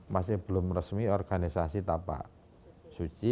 masih belum resmi organisasi tapak suci